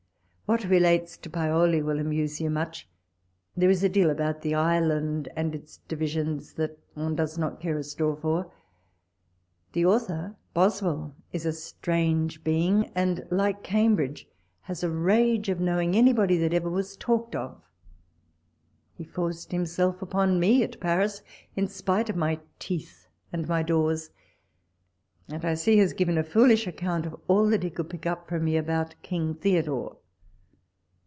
What relates to Paoli will amuse you much. There is a deal about the island and its divisions that one does not care a straw for. The author, Boswell, is a strange being, and, like Cam bridge, has a rage of knowing anybody that ever was talked of. He fox'ced himself upon me at Paris in spite of my teeth and my doors, and I see has given a foolish account of all he could pick up from me about King Theodore.